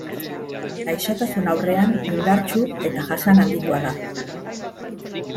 Gaixotasun aurrean indartsu eta jasan handikoa da.